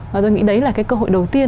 và tôi nghĩ đấy là cái cơ hội đầu tiên